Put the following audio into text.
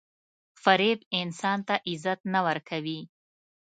• فریب انسان ته عزت نه ورکوي.